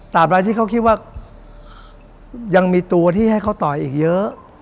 อะไรที่เขาคิดว่ายังมีตัวที่ให้เขาต่อยอีกเยอะ